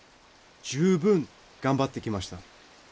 十分頑張ってきました。